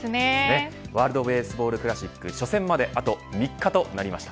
ワールド・ベースボール・クラシック初戦まであと３日となりました。